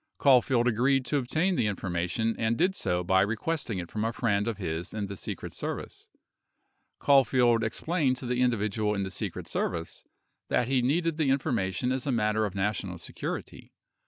Caulfield agreed to obtain the information and did so by re questing it from a friend of his in the Secret Service. 19 Caulfield ex plained to the individual in the Secret Service that he needed the in formation as a matter of national security.